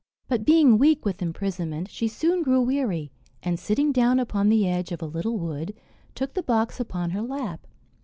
But being weak with imprisonment, she soon grew weary, and, sitting down upon the edge of a little wood, took the box upon her lap.